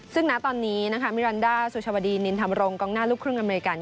ซึ่งณตอนนี้นะคะมิรันดาสุชาวดีนินธรรมรงกองหน้าลูกครึ่งอเมริกัน